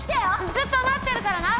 ずっと待ってるからな！